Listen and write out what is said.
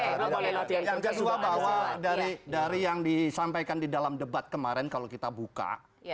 yang kedua bahwa dari yang disampaikan di dalam debat kemarin kalau kita buka